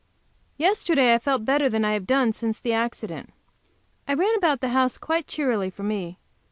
YESTERDAY I felt better than I have done since the accident. I ran about the house quite cheerily, for me.